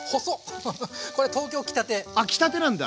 あ来たてなんだ！